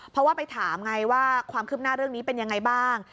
เพราะว่าไปถามไงว่าความคืบหน้าเรื่องนี้เป็นยังไงบ้าง